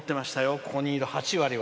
ここにいる８割は。